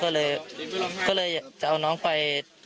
ก็เจอน้องก็เลยเราจะเอาน้องไป